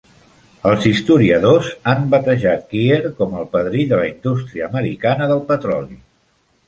Els historiadors han batejat Kier com el "Padrí de la indústria americana del petroli".